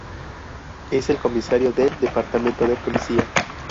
Es el comisario del departamento de policía.